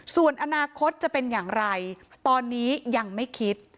ส่วนอนาคตจะเป็นอย่างไรตอนนี้ยังไม่คิด